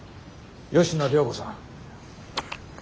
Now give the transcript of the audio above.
吉野涼子さん。